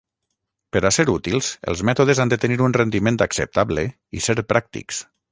Per a ser útils, els mètodes han de tenir un rendiment acceptable i ser pràctics.